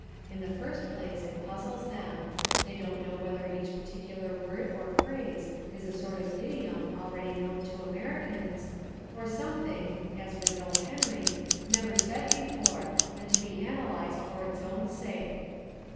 In the first place it puzzles them they don't know whether each particular word or phrase is a sort of idiom already known to Americans, or something (as with O. Henry) never said before and to be analysed for its own sake.